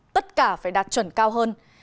tất cả phải đạt chuẩn cao hơn